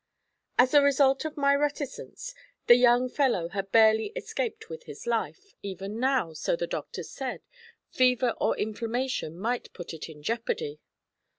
As a result of my reticence, the young fellow had barely escaped with his life; even now, so the doctor said, fever or inflammation might put it in jeopardy.